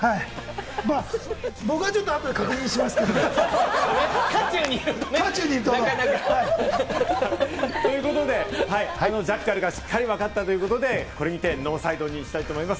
僕は後で確認しますけど、渦中にいたもので。ということでジャッカルがしっかりわかったということで、これにてノーサイドにしたいと思います。